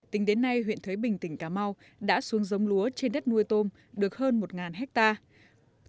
tính đến nay huyện thới bình tỉnh cà mau đã xuống giống lúa trên đất nuôi tôm được hơn một hectare